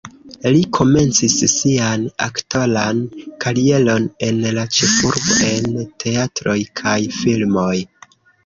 Li komencis sian aktoran karieron en la ĉefurbo en teatroj kaj filmoj.